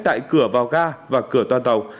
tại cửa vào ga và cửa toàn tàu